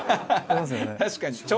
確かに。